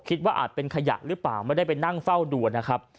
อาจเป็นขยะหรือเปล่าไม่ได้ไปนั่งเฝ้าดูนะครับ